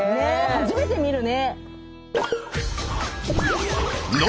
初めて見るね。